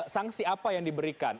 sanksi apa yang diberikan